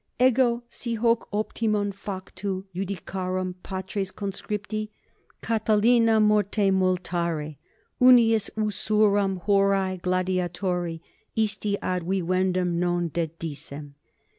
Ego, si hoc optimum factu iudicarem, patres conscripti, Catilinam morte multari, unius usuram horae gladiatori isti ad vivendum non dedissem.